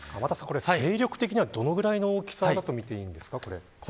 勢力的にはどのぐらいの大きさだと見ていいんですか。